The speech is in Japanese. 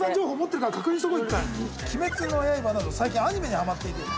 『鬼滅の刃』など最近アニメにハマっている。